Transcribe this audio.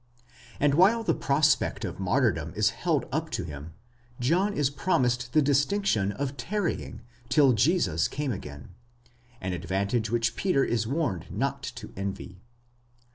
and while the prospect of martyrdom is held up to him, John is promised the distinction of tarrying till Jesus came again, an advantage which Peter is warned not to envy.